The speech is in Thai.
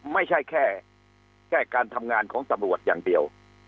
ไม่ใช่แค่แค่การทำงานของสบวทอย่างเดียว